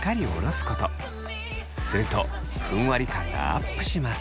するとふんわり感がアップします。